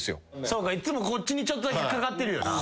そうかいつもこっちにちょっとだけかかってるよな。